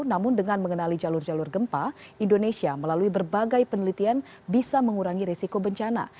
namun dengan mengenali jalur jalur gempa indonesia melalui berbagai penelitian bisa mengurangi risiko bencana